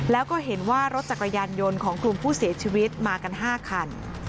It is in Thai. แล้วก็เห็นว่ารถจักรยานยนต์ของกลุ่มผู้เสียชีวิตมากัน๕คัน